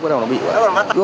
cái nào nó bị quả